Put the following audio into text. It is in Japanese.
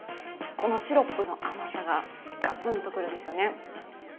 このシロップの甘さがガツンと来るんですよね。